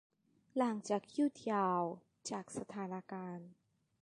หลังจากหยุดยาว จากสถานการณ์